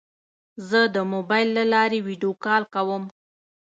زه د موبایل له لارې ویدیو کال کوم.